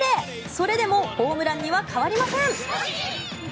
それでもホームランには変わりません。